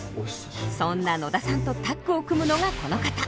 そんな野田さんとタッグを組むのがこの方。